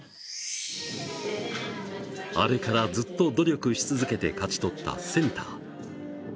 あれから、ずっと努力し続けて勝ち取ったセンター。